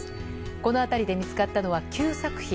この辺りで見つかったのは９作品。